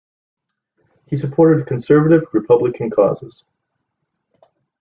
He supported conservative Republican causes.